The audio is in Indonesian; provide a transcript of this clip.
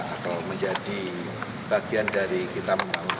atau menjadi bagian dari kita membangun